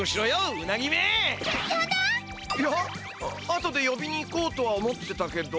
あとでよびに行こうとは思ってたけど。